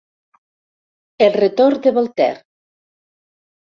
El retorn de Voltaire.